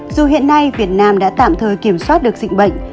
dù hiện nay việt nam đã tạm thời kiểm soát được dịch bệnh